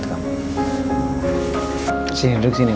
saya sangat sedih waktu dia menikah